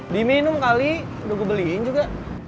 diminum kali udah gue beliin juga